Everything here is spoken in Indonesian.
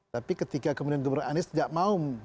tapi ketika kemudian gubernur anies tidak mau membebaskan lahan